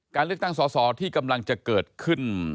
การเลือกตั้งสอสอที่กำลังจะเกิดขึ้น